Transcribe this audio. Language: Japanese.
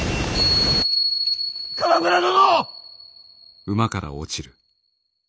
鎌倉殿！